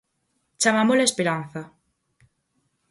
Chamámola Esperanza.